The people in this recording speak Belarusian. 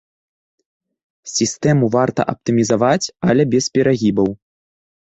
Сістэму варта аптымізаваць, але без перагібаў.